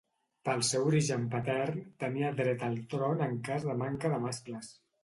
Pel seu origen patern, tenia dret al tron en cas de manca de mascles.